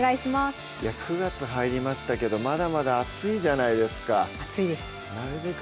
９月入りましたけどまだまだ暑いじゃないですか暑いですなるべく